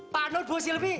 pak nur bu silwi